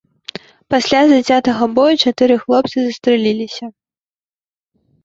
Пасля зацятага бою чатыры хлопцы застрэліліся.